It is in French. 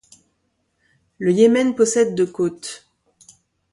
Le Yémen possède de côtes.